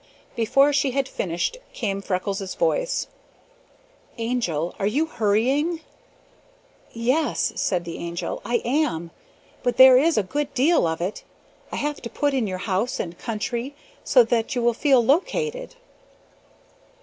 Before she had finished came Freckles' voice: "Angel, are you hurrying?" "Yes," said the Angel; "I am. But there is a good deal of it. I have to put in your house and country, so that you will feel located."